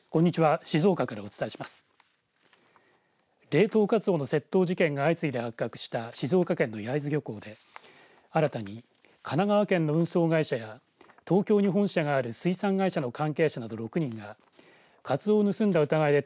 冷凍カツオの窃盗事件が相次いで発覚した静岡県の焼津漁港で新たに神奈川県の運送会社や東京に本社がある水産会社の関係者など６人がカツオを盗んだ疑いで